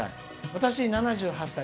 私、７１歳。